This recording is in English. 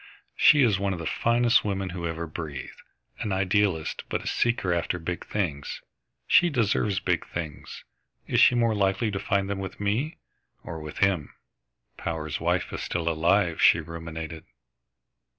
"She is one of the finest women who ever breathed, an idealist but a seeker after big things. She deserves the big things. Is she more likely to find them with me or with him?" "Power's wife is still alive," she ruminated.